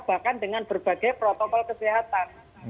bahkan dengan berbagai protokol kesehatan